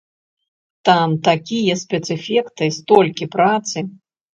Там такія спецэфекты, столькі працы!